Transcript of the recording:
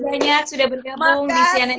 banyak sudah bergabung di cnn indonesia tv